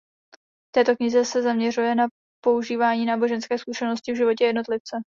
V této knize se zaměřuje na prožívání náboženské zkušenosti v životě jednotlivce.